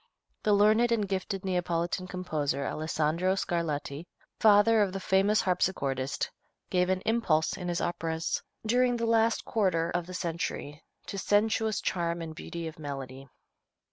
The learned and gifted Neapolitan composer, Alessandro Scarlatti, father of the famous harpsichordist, gave an impulse in his operas, during the last quarter of the century, to sensuous charm and beauty of melody.